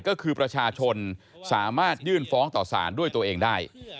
ก็คือประชาชนสามารถยื่นฟ้องต่อสารด้วยตัวเองได้